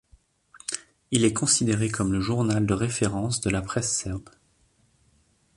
Il est considéré comme le journal de référence de la presse serbe.